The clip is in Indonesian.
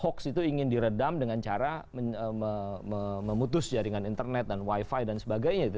hoax itu ingin diredam dengan cara memutus jaringan internet dan wifi dan sebagainya